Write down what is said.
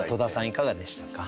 いかがでしたか？